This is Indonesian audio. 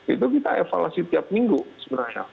itu kita evaluasi tiap minggu sebenarnya